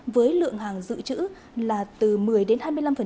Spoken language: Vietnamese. với lượng hàng dự trữ là từ một mươi đến hai mươi năm